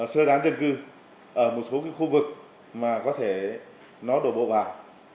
sơ tán dân cư ở một số khu vực mà có thể nó đổ bộ vào